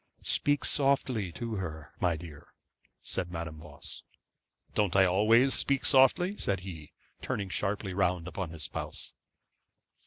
'Speak softly to her, my dear,' said Madame Voss. 'Don't I always speak softly?' said he, turning sharply round upon his spouse.